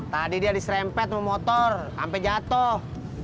tadi dia diserempet sama motor sampai jatuh